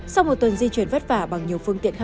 sau một tuần di chuyển vất vả bằng nhiều phương tiện khác